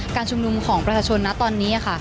การชุมนุมของประชาชนนะตอนนี้ค่ะ